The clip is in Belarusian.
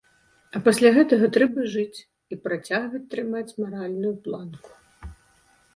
А пасля гэтага трэба жыць і працягваць трымаць маральную планку.